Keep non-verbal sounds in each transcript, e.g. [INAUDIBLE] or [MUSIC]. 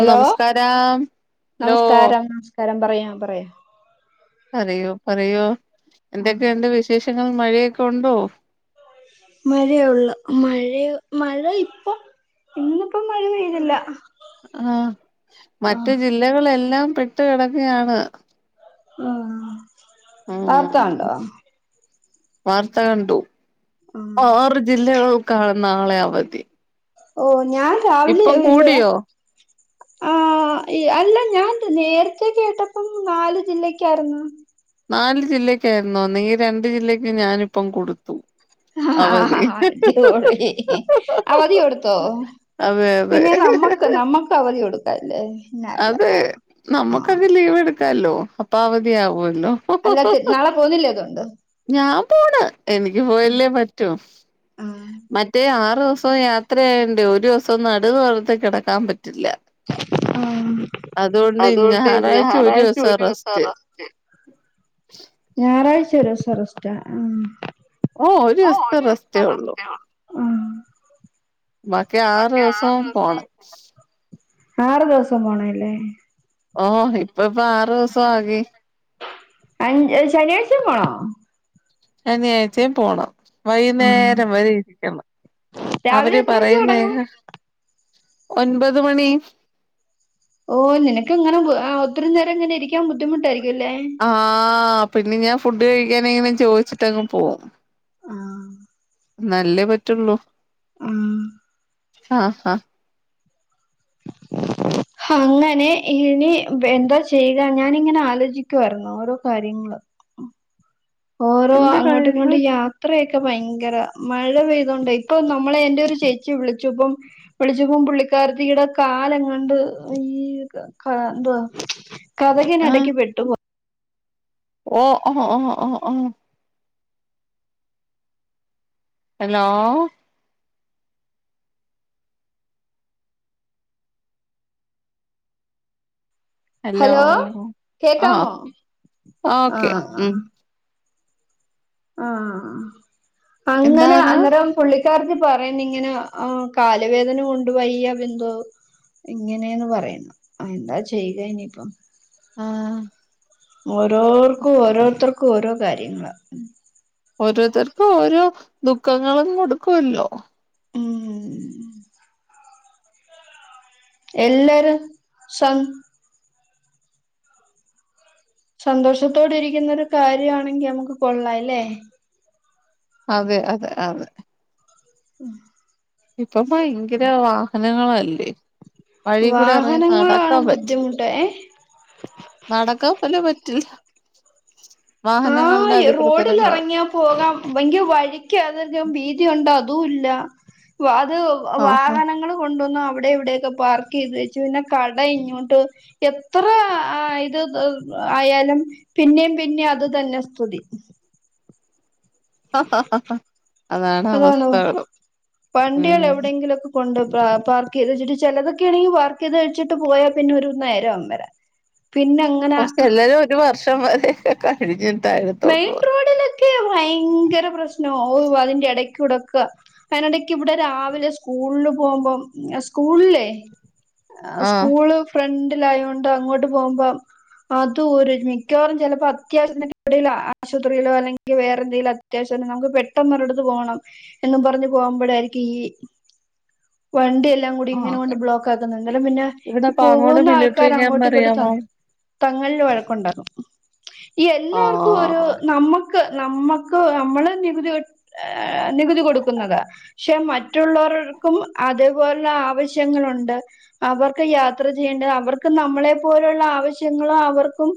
Hello നമസ്കാരം hello നമസ്കാരം നമസ്കാരം പറയാ പറയാം പറയോ പറയോ ആ എന്തൊക്കെ ഉണ്ട് വിശേഷങ്ങൾ മഴയൊക്കെ ഉണ്ടോ മഴയൊള്ള് മഴയ മഴ ഇപ്പൊ ഇന്ന് ഇപ്പ മഴ പെയ് ആഹ് മറ്റ്‌ ആഹ് ജില്ലകളെല്ലാം പെട്ട് കിടക്കയാണ് ആഹ് വാർത്ത ഉം കണ്ടോ വാർത്ത കണ്ടു ആഹ് ആറി ജില്ലകൾക്കാണ് നാളെ അവധി ഓ ഞാൻ രാവലെയ ഇപ്പം വില്ലുഹ കൂടിയോ ആഹ് അഹ് അല്ല ഞാൻ നേരത്തെ കേട്ടപ്പം നാല് ജില്ലക്കായിരുന്ന് നാല് ജില്ലക്കായിരുന്നോ നീ ഈ രണ്ട് ജില്ലക്ക് ഞാനിപ്പം കൊടു അടിപൊളി അവധി കൊടുത്തോ അതെ അതെ പിന്നെ നമ്മക്ക് നമ്മക്ക് അവധി കൊടുക്കല്ലേ അതെ നമ്മുക്കത് ലീവ് എടുക്കാലോ അപ്പ അവധി ആവുമല്ലോ അല്ലാ നാളെ പോകുന്നില്ലേ അതുകൊണ്ട് ഞാൻ പോണ് എനിക്ക് പോയല്ലേ പറ്റു ആഹ് മറ്റേ ആറു ദിവസം യാത്രയായൊണ്ടേ ഒരു ദിവസം നടുനിവർത്തി കിടക്കാൻ പറ്റില്ല ആഹ് അതുകൊണ്ട് ഞായറാഴ്ച ഒരു ദിവസം റസ്റ്റ് ഞായറാഴ്ച ഒരു ദിവസം റസ്റ്റ് മ് ഓ ഒരു ദിവസത്തെ ആഹ് റെസ്റ്റേ ഉള്ളൂ ബാക്കി ആറ് ദിവസം പോണം ആറ് ദിവസം പോണല്ലേ ഓ ഇപ്പ ഇപ്പ ആറു ദിവസം ആകി അ ശനിയാഴ്ചേമ് പോണോ അനിയാഴ്ചേമ് പോണം ആഹ് വൈകുന്നേരം വരെ ഇരിക്കണം രാവിലെ അവര് എത്ര മണിക്ക് പറയുന്നേ തൊടങ്ങും ഒൻപത് മണി ഓ നിനക്കിങ്ങനെ ഒത്തിരി നേരം ഇങ്ങനെ ഇരിക്കാൻ ബുദ്ധിമുട്ടായിരിക്കുംല്ലേ ആഹ് പിന്നെ ഞാൻ ഫുഡ് കഴിക്കാനെങ്ങനും ചോദിച്ചിട്ടങ്ങ് പോകും ആഹ് ന്നാലല്ലേ പറ്റുള്ളൂ ആഹ് ആഹ് ഹ [INAUDIBLE] അങ്ങനെ ഇനി എന്താ ചെയ്യുക ഞാനിങ്ങനെ ആലോചിക്കുവായിരുന്നു ഓരോ കാര്യങ്ങളും ഓരോ എന്റെ അങ്ങോട്ട് കഴിഞ്ഞു ഇങ്ങോട്ട് യാ ത്രയൊക്കെ ഭയങ്കര മഴ പെയ്തതോണ്ടേ ഇപ്പൊ നമ്മളെ എന്റെ ഒരു ചേച്ചി വിളിച്ചുപ്പം വിളിച്ചുപ്പം പുള്ളിക്കാരത്തിടെ കാല് എങ്ങാണ്ട് അയ് ക എന്തുവാ ആ കതകിനെടക്ക് പെട്ടു ഓ ഓഹ് ഓഹ് ഓഹ് ഓ ഹലോ ഹലോ ആഹ് കേക്കാമോ ഓക്കെ ആഹ ഉം ആഹ അങ്ങനെ എന്താണ് അന്നേരം പുള്ളിക്കാരത്തി പറയന്ന് ഇങ്ങനെ ആ കാല് വേദന കൊണ്ട് വയ്യ ബിന്തു ഇങ്ങനെയന്ന് പറയണം എന്താ ചെയ്യുക ഇനിയിപ്പം ആഹ ഓരോർക്കും ഓരോരുത്തർക്കും ഓരോ കാര്യങ്ങള ഓരോരുത്തർക്കും ഓരോ ദുഃഖങ്ങളും കൊടുക്കുവല്ലോ ഉം എല്ലാരും സം സന്തോഷത്തോടെയിരിക്കുന്ന ഒരു കാര്യണെങ്കിൽ നമുക്ക് കൊള്ളാംല്ലേ അതെ അതെ അതെ ഉം ഇപ്പൊ ഭയങ്കര വാഹനങ്ങളല്ലേ വഴിക്കൂടെറങ്ങി വാഹനങ്ങളാണ് നടക്കാൻ പറ്റില്ല ബുദ്ധിമുട്ട് ഏ നടക്കാൻ തന്നെ പറ്റില്ല ആ വാഹനങ്ങളുടെ റോഡിൽ അധിപൃതരങ്ങള് ഇറങ്ങിയാ പോകാം വിങ്ക് വഴിക്കെ വീതി ഒണ്ടോ അതും ഇല്ല വാത് ആഹ് വാഹനങ്ങള് കൊണ്ടുവന്ന് അവിടെ ഇവിടെക്കെ പാർക്ക് ചെയ്ത് വച്ച് പിന്നെ കട ഇങ്ങോട്ട് എത്ര ആ ഇത് ആയാലും പിന്നെയും പിന്നെ അത് ഇതെന്നെ സ്ഥിതി ആഹ് അതാണ് ഹലോ ഹലോ അവസ്ഥകള് ഉം വണ്ട്യള് എവിടെയെങ്കിലൊക്കെ കൊണ്ട് പാ പാർക്ക് ചെയ്ത്ച്ചിട്ട് ചെലതൊക്കെണെങ്കി പാർക്ക് ചെയ്ത് വച്ചിട്ട് പോയാ പിന്നെ ഒരുന്നേരം ഒന്നര പിന്ന [UNINTELLIGIBLE] ഒരു വർഷം വരെ കഴിഞ്ഞിട്ടായിരുന്നു മെയിൻ റോഡിലൊക്കെ ഭയങ്കര പ്രശ്നമോ ഓ അതിന്റെ ഇടയ്ക്കൂടോക്കെ അയിന്ടക് ഇവിടെ രാവിലെ സ്കൂളില് പോകുമ്പം സ്കൂള് ല്ലേ ആഹ് സ്കൂള് ഫ്രണ്ടിലായോണ്ട് അങ്ങോട്ട് പോകുമ്പോം അതും ഒരു മിക്കവാറും ചെലപ്പോ അത്യാവശ്യത്തിന് ഒക്കെ എപ്പളേലും ആശുപത്രീലോ അല്ലെങ്കിവേറെന്തെങ്കിലും അത്യാവശ്യം നമുക്ക് പെട്ടെന്നൊരിടുത്ത് പോണം എന്നും പറഞ്ഞു പോകുമ്പോഴായിരിക്കും ഈ വണ്ടിയെല്ലാം കൂടി ഇങ്ങനെ ഓക്കെ കൊണ്ട് ബ്ലോക്ക് ആക്കുന്നേ ഇന്നലെ പിന്നെ ഇവിടെ ഈ പാങ്ങോട് പോവുന്ന മിലിറ്ററി ആൾക്കാര് ക്യാമ്പ് അങ്ങോട്ടിങ്ങോട്ട് അറിയാമോ? തങ്ങളിൽ വഴക്കുണ്ടാകും എല്ലാവർക്കും ഒരു ആഹ് നമ്മക്ക് നമ്മക്ക് നമ്മള് നികുതി കെ ഏ നികുതി കൊടുക്കുന്നത പക്ഷെ മറ്റുള്ളർക്കും അതേപോലെ ആവശ്യങ്ങളുണ്ട്. അവർക്ക് യാത്ര ചെയ്യേണ്ടത് അവർക്ക് നമ്മളെ പോലുള്ള ആവശ്യങ്ങളും അവർക്കും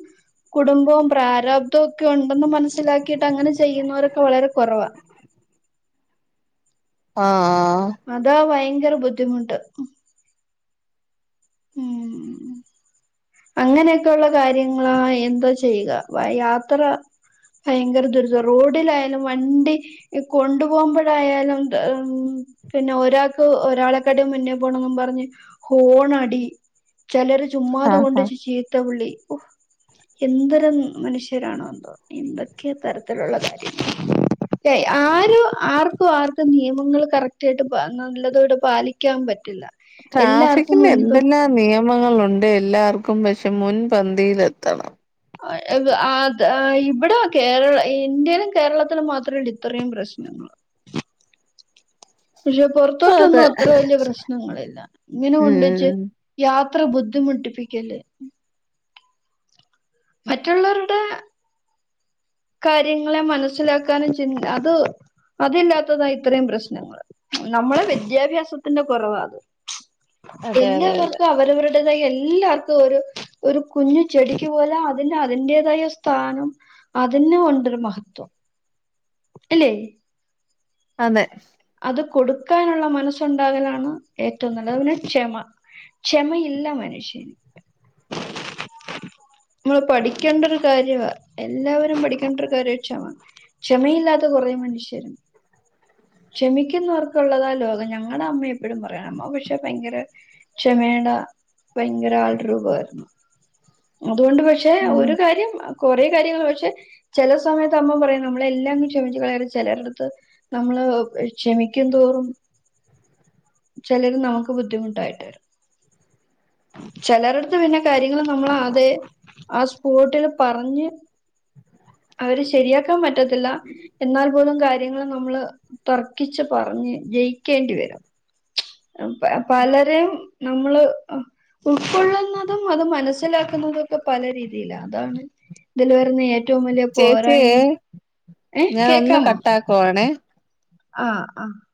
കുടുംബവും പ്രാരാബ്ധവും ഒക്കെ ഉണ്ടെന്ന് മനസ്സിലാക്കിയിട്ട് അങ്ങനെ ചെയ്യുന്നവരൊക്കെ വളരെ കുറവാ ആഹ് ആഹ് അതാ ഭയങ്കര ബുദ്ധിമുട്ട് ഉം അങ്ങനെയൊക്കെള്ള കാര്യങ്ങളാ എന്തോ ചെയ്യുക യാത്ര ഭയങ്കര ദുരിതവ റോഡിലായാലും വണ്ടി കൊണ്ടു പോകുമ്പോഴായാലും ഉം പിന്നെ ഒരാക്ക് ഒരാളെക്കാട്ടിലും മുന്നേ പോണംന്നും പറഞ്ഞ് ഹോണടി ചിലര് ചുമ്മാതെ ആഹ് കൊണ്ട് ആഹ് ചീത്ത വിളി ഒ എന്തൊരം മനുഷ്യരാണോ എന്തോ എന്തൊക്കെ തരത്തിലുള്ള കാര്യം ആരും ആർക്കും ആർക്കും നിയമങ്ങള് കറക്റ്റായിട്ട് നല്ലതോടെ പാലിക്ക ക്കാൻ പറ്റില്ല എല്ലാർക്കും ട്രാഫിക്കിന് മുൻപ് എന്തെല്ലാം നിയമങ്ങളുണ്ട് എല്ലാർക്കും പക്ഷെ മുൻപന്തിൽ എത്തണം ആഹ് ഇവിടെ കേരള ഇന്ത്യയിലും കേരളത്തിലും മാത്രണ്ട് ഇത്രയും പ്രശ്നം പക്ഷെ പൊറത്തോട്ടൊന്നും അതെ അത്ര വലൃയ പ്രശ്നങ്ങളില്ല ഇങ്ങനെ കൊണ്ടെച്ച് ഉം യാത്ര ബുദ്ധിമുട്ടിപ്പിക്കല് മറ്റുള്ളോരുടെ കാര്യങ്ങളെ മനസ്സിലാക്കാനും ചിന്ത അത് അതില്ലാത്തതാണ് ഇത്രയും പ്രശ്നങ്ങള് നമ്മളെ വിദ്യാഭ്യാസത്തിന്റെ കുറവാത് അതെ അതെ അതെ എല്ലാവർക്കും അവരവരുടെ [UNINTELLIGIBLE] എല്ലാർക്കും ഒരു ഒരു കുഞ്ഞു ചെടിക്ക് പോലും അതിന് അതിന്റേതായ സ്ഥാനം ണ്ട്. അതിനും ഒണ്ടൊരു മഹത്വം. ഇല്ലേയ് അതെ അത് കൊടുക്കാനുള്ള മനസ്സുണ്ടാകലാണ് ഏറ്റവും നല്ലത് അത് പിന്നെ ക്ഷമ ക്ഷമയില്ല മനുഷ്യന് നമ്മള് പഠിക്കേണ്ട ഒരു കാര്യവാ എല്ലാവരും പഠിക്കേണ്ട ഒരു കാര്യാ ക്ഷമ ക്ഷമയില്ലാത്ത കുറെ മണുഷ്യരുണ്ട് ക്ഷമിക്കുന്നവർക്കുള്ളതാ ലോകം ഞങ്ങടെ അമ്മയെപ്പോഴും പറയാറണ്ട് അമ്മ പക്ഷെ ഭയങ്കര ക്ഷമേടെ ഭയങ്കര ആൾ രൂപായിരുന്നു അതുകൊണ്ട് പക്ഷേ ഒരു കാര്യം കൊറേ കാര്യങ്ങൾ പക്ഷേ ചെലസമയത്ത് അമ്മ പറയും നമ്മളെല്ലാങ്ങ് ക്ഷമിച്ച് കളയരുത് ചെലരെടുത്ത് നമ്മള് ക്ഷമിക്കുന്തോറും ചിലര് നമുക്ക് ബുദ്ധിമുട്ടായിട്ട് വരും ചെലരെടുത്ത് പിന്നെ കാര്യങ്ങള് നമ്മളാ അതെ ആ സ്പോട്ടില് പറഞ്ഞ് അവര് ശരിയാക്കാൻ പറ്റത്തില്ല എന്നാൽ പോലും കാര്യങ്ങള് നമ്മള് തർക്കിച്ച് പറഞ്ഞ് ജയിക്കേണ്ടി വരും പ പലരും നമ്മള് ഉൾക്കൊള്ളുന്നതും അത് മനസ്സിലാക്കി ഇതൊക്കെ പല രീതിയിലാ അതാണ് ഇതിൽ വരുന്ന ഏറ്റവും വലിയ പോരായ്മയും ഞാനൊന്ന് കട്ടാക്കുവാണേ ആഹ് ആ